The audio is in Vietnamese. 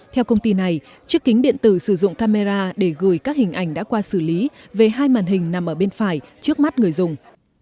theo công ty này chiếc kính điện tử sử dụng camera để gửi các hình ảnh đã qua xử lý về hai màn hình nằm ở bên phải trước mắt người dùng